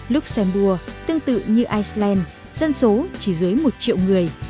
luxembourg tương tự như iceland dân số chỉ dưới một triệu người